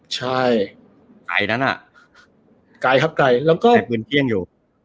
ใช่แล้วก็